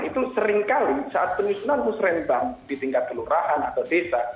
itu seringkali saat penyusunan musrembang di tingkat kelurahan atau desa